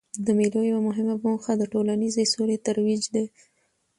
د مېلو یوه مهمه موخه د ټولنیزي سولې ترویج دئ.